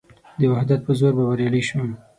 د وحدت په زور به بریالي شو.